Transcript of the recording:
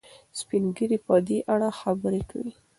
سپین ږیري په دې اړه خبرې کوي.